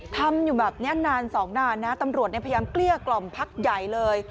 ทำอยู่แบบนี้นานสองนานนะตำรวจพยายามเกลี้ยกล่อมพักใหญ่เลย